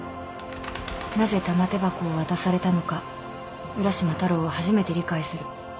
なぜ玉手箱を渡されたのか浦島太郎は初めて理解する。